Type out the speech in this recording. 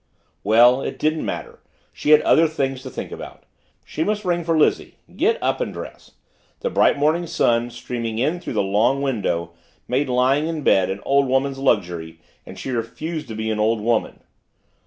Well it didn't matter. She had other things to think about. She must ring for Lizzie get up and dress. The bright morning sun, streaming in through the long window, made lying in bed an old woman's luxury and she refused to be an old woman.